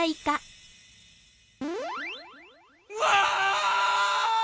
うわ！